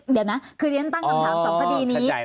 เดี๋ยวนะคือตั้งคำถามสองคดีนี้